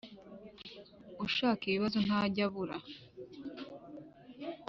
ushaka ibibazo ntajya abura.